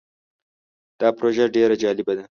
دا پروژه ډیر جالبه ده.